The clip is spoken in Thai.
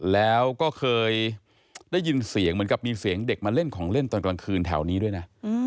แล้วก็เคยได้ยินเสียงเหมือนกับมีเสียงเด็กมาเล่นของเล่นตอนกลางคืนแถวนี้ด้วยนะ